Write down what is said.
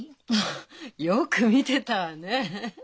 よく見てたわね。